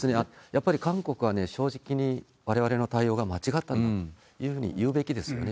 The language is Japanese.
やっぱり韓国は、正直にわれわれの対応が間違ったというふうに言うべきですよね。